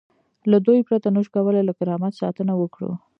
له دوی پرته نشو کولای له کرامت ساتنه وکړو.